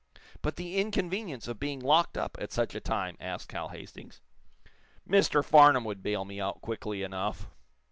"But the inconvenience of being locked up, at such a time!" asked Hal Hastings. "Mr. Farnum would bail me out, quickly enough."